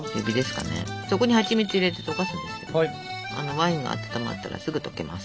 ワインが温まったらすぐ溶けます。